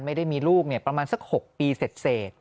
ไม่ได้มีลูกประมาณสัก๖ปีเสร็จ